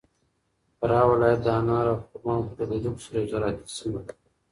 فراه ولایت د انارو او خرماوو په درلودلو سره یو زراعتي سیمه ده.